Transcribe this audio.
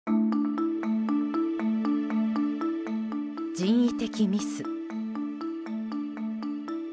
人為的ミス。